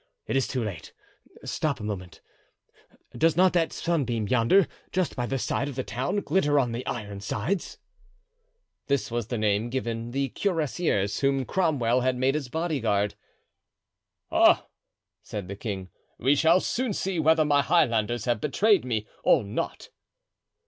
It is too late. Stop a moment; does not that sunbeam yonder, just by the side of the town, glitter on the Ironsides?" This was the name given the cuirassiers, whom Cromwell had made his body guard. "Ah!" said the king, "we shall soon see whether my Highlanders have betrayed me or not."